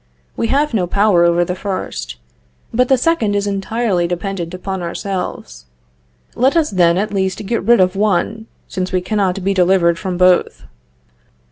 We have no power over the first, but the second is entirely dependent upon ourselves. Let us then at least get rid of one, since we cannot be delivered from both.